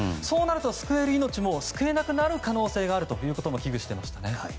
そうなると救える命も救えなくなる可能性があることも危惧していましたね。